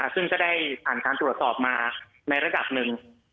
ซึ่งก็ได้ผ่านการตรวจสอบมาในระดับหนึ่ง